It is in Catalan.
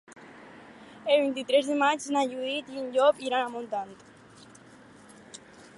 El vint-i-tres de maig na Judit i en Llop iran a Montant.